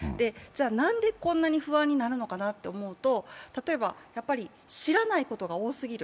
何でこんなに不安なるのかなと思うと、例えば知らないことが多すぎる。